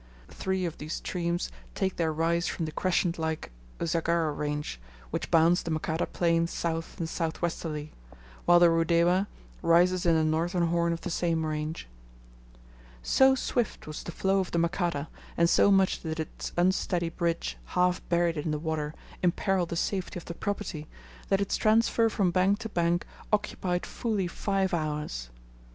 Three of these streams take their rise from the crescent like Usagara range, which bounds the Makata plain south and south westerly; while the Rudewa rises in the northern horn of the same range. So swift was the flow of the Makata, and so much did its unsteady bridge, half buried in the water, imperil the safety of the property, that its transfer from bank to bank occupied fully five hours.